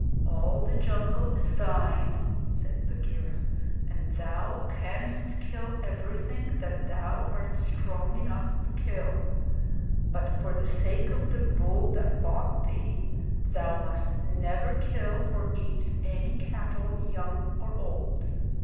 'All the jungle is thine,' said Bagheera, 'and thou canst kill everything that thou art strong enough to kill; but for the sake of the bull that bought thee thou must never kill or eat any cattle young or old.